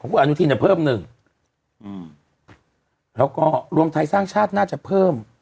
คุณอนุทินเนี่ยเพิ่มหนึ่งอืมแล้วก็รวมไทยสร้างชาติน่าจะเพิ่ม